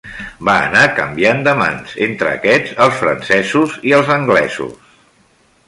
Va anar canviant de mans entre aquests, els francesos i els anglesos.